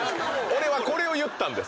俺はこれを言ったんです。